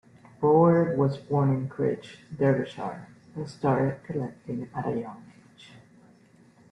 Bower was born in Crich, Derbyshire and started collecting at a young age.